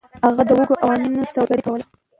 هغه د وږو او نینو سوداګري کوله.